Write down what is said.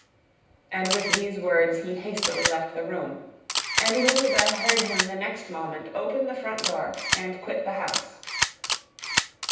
And with these words he hastily left the room, and Elizabeth heard him the next moment open the front door and quit the house.